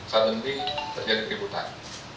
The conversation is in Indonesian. sudah terjadi keributan